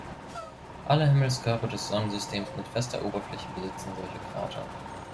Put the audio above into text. Alle Himmelskörper des Sonnensystems mit fester Oberfläche besitzen solche Krater.